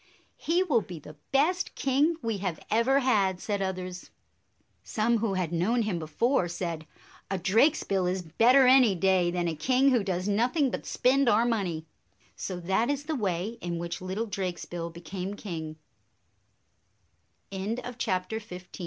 " He will be the best king we have ever had," said others. Some who had known him before said, "A Drakesbill is better any day than a king who does nothing but spend our money." So that is the way in which little Drakesbill became king.